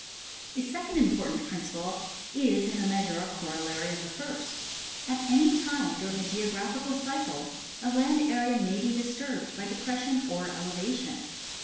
A second important principle is in a measure a corollary of the first : At any time during a geographical cycle a land area ma}^ be disturbed b}^ depression or elevation.